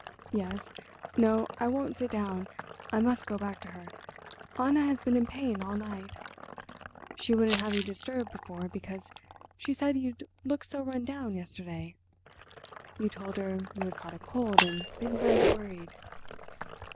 "Yes. No, I won't sit down, I must go back to her. Anna has been in pain all night. She wouldn't have you disturbed before because she said you looked so run down yesterday. You told her you had caught a cold and been very worried."